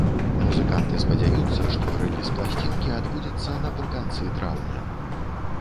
Музыканты спадзяюцца, што рэліз пласцінкі адбудзецца напрыканцы траўня.